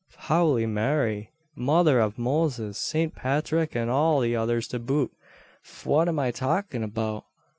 Howly Mary! Mother av Moses! Sant Pathrick and all the others to boot, fwhat am I talkin' about?